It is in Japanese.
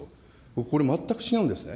これ、全く違うんですね。